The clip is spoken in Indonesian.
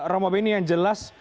romo beni yang jelas